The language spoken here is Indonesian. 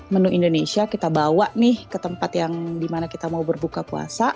menu indonesia kita bawa nih ke tempat yang dimana kita mau berbuka puasa